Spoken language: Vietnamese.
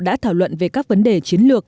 đã thảo luận về các vấn đề chiến lược